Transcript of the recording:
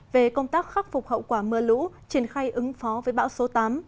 về công tác khắc phục hậu quả mưa lũ triển khai ứng phó với bão số tám